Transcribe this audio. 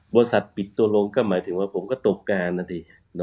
ปิดตัวลงก็หมายถึงว่าผมก็ตบการนะดิ